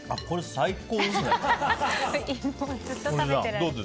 最高ですね。